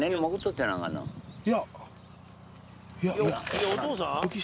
いやお父さん！